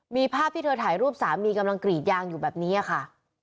มีภาพที่เธอถ่ายรูปสามีกำลังกรีดยางอยู่แบบนี้ค่ะ